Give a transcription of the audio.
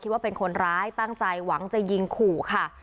ว่าเป็นคนร้ายตั้งใจหวังจะยิงขู่ค่ะ